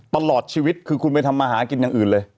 ตลอดชีวิตคือคุณไปทำมาหากินอย่างอื่นเลย